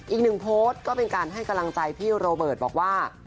อีกหนึ่งโพสต์ก็เป็นการให้กำลังใจพี่โรเบิร์ตบอกว่า